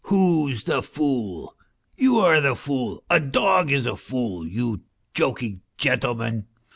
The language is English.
" Who's the fool ? You are the fool, a dog is a fool, you joking gentleman.